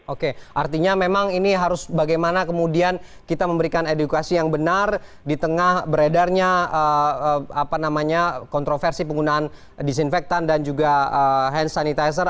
oke artinya memang ini harus bagaimana kemudian kita memberikan edukasi yang benar di tengah beredarnya kontroversi penggunaan disinfektan dan juga hand sanitizer